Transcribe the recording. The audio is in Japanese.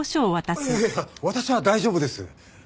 いやいや私は大丈夫です。